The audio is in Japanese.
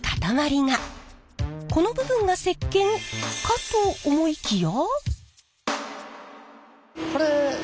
この部分が石けんかと思いきや。